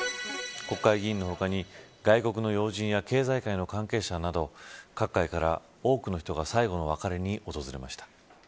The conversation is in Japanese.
国会議員の他に外国の要人や経済界の関係者など各界から多くの人が最後の別れに訪れました。